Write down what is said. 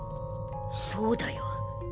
そうだよ